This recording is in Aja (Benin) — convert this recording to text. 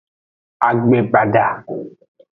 Agbebada.